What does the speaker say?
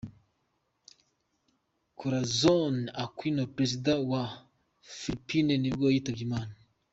Corazon Aquino, perezida wa wa Philippines nibwo yitabye Imana.